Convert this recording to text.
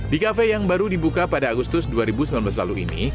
di kafe yang baru dibuka pada agustus dua ribu sembilan belas lalu ini